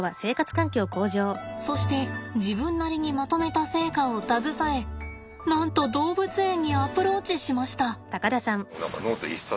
そして自分なりにまとめた成果を携えなんと動物園にアプローチしました。